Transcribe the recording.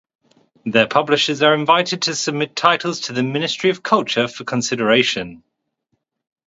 Their publishers are invited to submit titles to the Ministry of Culture for consideration.